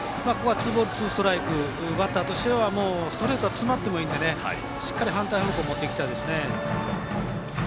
ツーボールツーストライクでバッターとしてはストレートは詰まってもいいのでしっかり反対方向に持っていきたいですね。